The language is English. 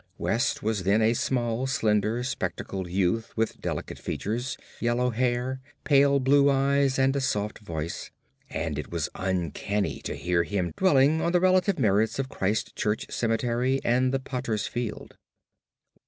West was then a small, slender, spectacled youth with delicate features, yellow hair, pale blue eyes, and a soft voice, and it was uncanny to hear him dwelling on the relative merits of Christchurch Cemetery and the potter's field.